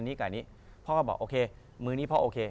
อลแค่นี้พ่อก็บอกว่ามื้อนี้พ่อโอเค